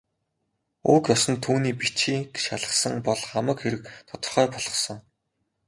Уг ёс нь түүний бичгийг шалгасан бол хамаг хэрэг тодорхой болохсон.